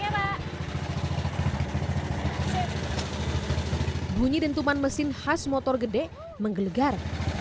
bunyi dentuman mesin khas motor gede menggelegar